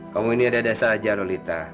kamu ini ada dasar aja rolita